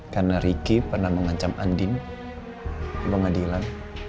karena ricky pernah mengancam andin ke pengadilan